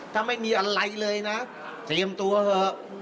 ถ้าไม่มีอะไรเลยนะเตรียมตัวเถอะ